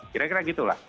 kira kira gitu lah